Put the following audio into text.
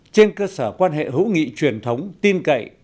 trên cơ sở quan hệ hữu nghị truyền thống tin cậy